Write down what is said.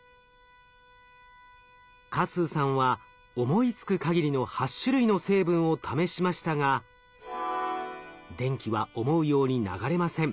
嘉数さんは思いつくかぎりの８種類の成分を試しましたが電気は思うように流れません。